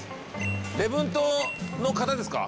礼文島の方ですか？